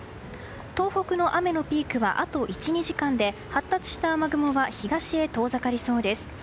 東北の雨のピークはあと１２時間で発達した雨雲は東へ遠ざかりそうです。